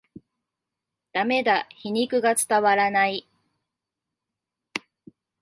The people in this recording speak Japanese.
ダメだ、皮肉が伝わらない